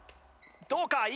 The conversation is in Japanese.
どうか？